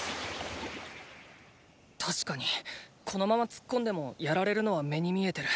確かにこのまま突っ込んでもやられるのは目に見えてる。